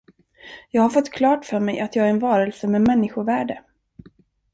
Jag har fått klart för mig, att jag är en varelse med människovärde.